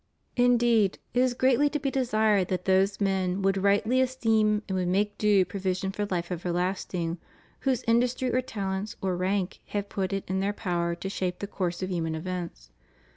Indeed it is greatly to be desired that those men would rightly esteem and would make due provision for life ever lasting whose industry or talents or rank have put it in their power to shape the course of human events.